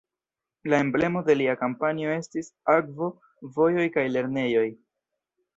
La emblemo de lia kampanjo estis: "akvo, vojoj kaj lernejoj".